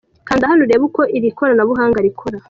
Kanda aha urebe uko iri koranabuhanga rikora